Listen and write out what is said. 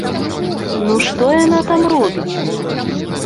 Ну што яна там робіць?